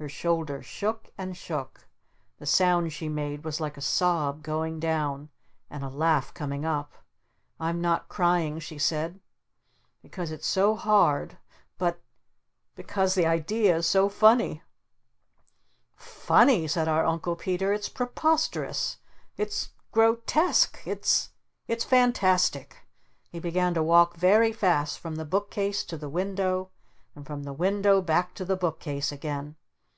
Her shoulders shook and shook. The sound she made was like a sob going down and a laugh coming up. "I'm not crying," she said, "because it's so hard but b because the idea is so f funny." "F F Funny?" said our Uncle Peter. "It's preposterous! It's gro tesque! It's it's fantastic!" He began to walk very fast from the book case to the window and from the window back to the book case again.